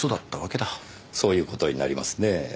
そういうことになりますねえ。